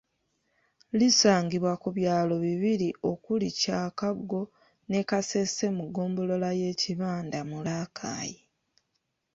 Lisangibwa ku byalo bibiri okuli Kyakago ne Kasese mu ggombolola y'e Kibanda mu Rakai